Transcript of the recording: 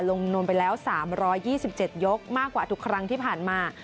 ลงนวลไปแล้ว๓๒๗ยกมากกว่าทุกครั้งที่ผ่านมา